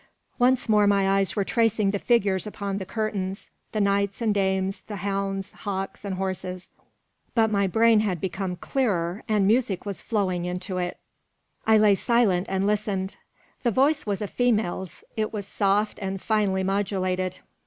Once more my eyes were tracing the figures upon the curtains: the knights and dames, the hounds, hawks, and horses. But my brain had become clearer, and music was flowing into it. I lay silent, and listened. The voice was a female's. It was soft and finely modulated.